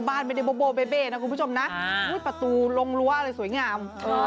บ้านไม่ได้โบเบ่นะคุณผู้ชมนะประตูลงรั้วอะไรสวยงาม